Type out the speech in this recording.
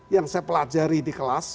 yang saya pelajari di kelas